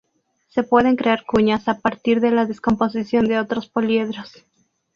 Se pueden crear cuñas a partir de la descomposición de otros poliedros.